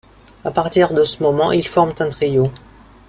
À partir de ce moment, ils forment un trio.